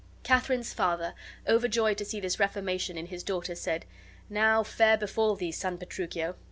Katharine's father, overjoyed to see this reformation in his daughter, said: "Now, fair befall thee, son Petruchio!